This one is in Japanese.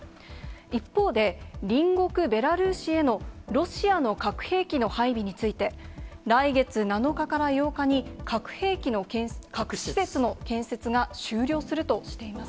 一方で、隣国ベラルーシへのロシアの核兵器の配備について、来月７日から８日に、核施設の建設が終了するとしています。